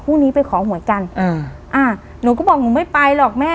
นี้ไปขอหวยกันอ่าอ่าหนูก็บอกหนูไม่ไปหรอกแม่